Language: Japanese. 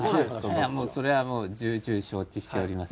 いやそれはもう重々承知しております。